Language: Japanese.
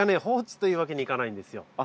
放置というわけにいかないんですよ。